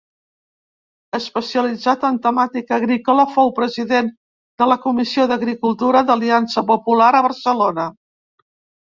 Especialitzat en temàtica agrícola, fou president de la comissió d'agricultura d'Aliança Popular a Barcelona.